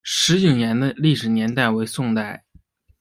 石井岩的历史年代为宋代。